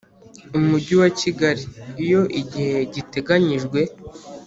Umujyi wa Kigali iyo igihe giteganyijwe